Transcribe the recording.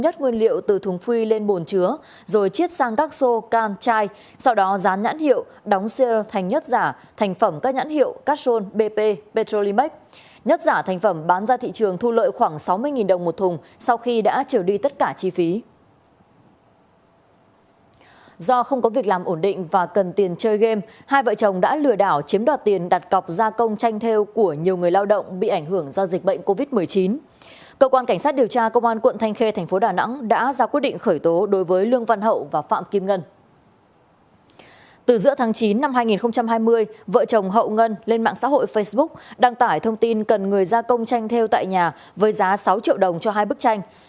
từ giữa tháng chín năm hai nghìn hai mươi vợ chồng hậu ngân lên mạng xã hội facebook đăng tải thông tin cần người gia công tranh theo tại nhà với giá sáu triệu đồng cho hai bức tranh